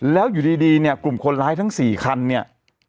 แล้วอยู่ดีเนี่ยกลุ่มคนร้ายทั้ง๔คันเนี่ย